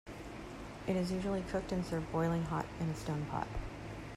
It is usually cooked and served boiling hot in a stone pot.